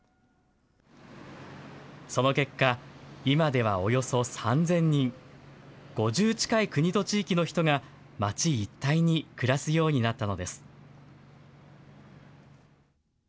その結果、今ではおよそ３０００人、５０近い国と地域の人が、町一帯に暮らすようになったのです。